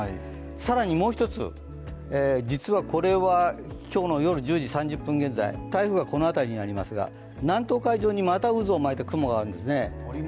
更にもう一つ、実はこれは今日の夜１０時３０分現在、台風がこの辺りにありますが南東海上にまた渦を巻いた雲があるんですね。